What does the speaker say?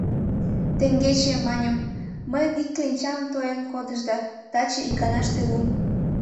— Теҥгече, — маньым, — мыйын ик кленчам тоен кодышда, таче — иканаште лум.